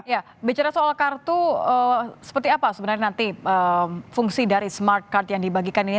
ya bicara soal kartu seperti apa sebenarnya nanti fungsi dari smart card yang dibagikan ini